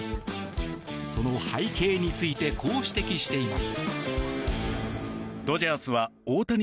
その背景についてこう指摘しています。